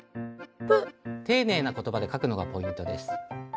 ていねいな言葉で書くのがポイントです。